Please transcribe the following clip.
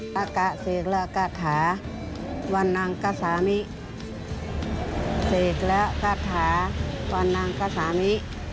กะกะเสกและกะถาวันนั้งกะสามิเสกและกะถาวันนั้งกะสามิ